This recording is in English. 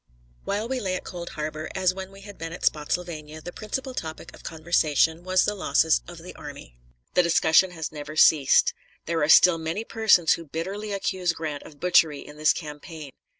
While we lay at Cold Harbor, as when we had been at Spottsylvania, the principal topic of conversation was the losses of the army. The discussion has never ceased. There are still many persons who bitterly accuse Grant of butchery in this campaign.